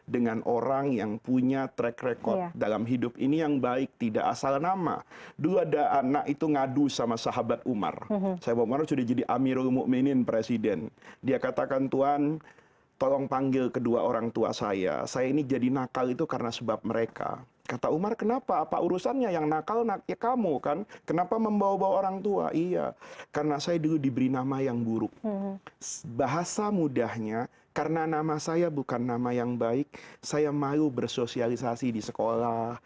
dengan dunia yang tanpa batas dan tanpa kontrol